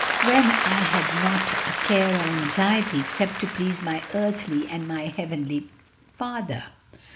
when I had not a care or anxiety except to please my earthly and my heavenly father."